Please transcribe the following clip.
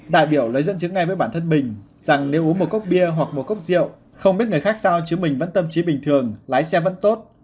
đại biểu lấy dẫn chứng ngay với bản thân mình rằng nếu uống một cốc bia hoặc một cốc rượu không biết người khác sao chứ mình vẫn tâm trí bình thường lái xe vẫn tốt